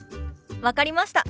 分かりました。